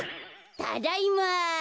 ただいま。